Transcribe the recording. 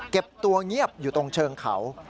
เก็บตัวเงียบอยู่ตรงเชิงเขา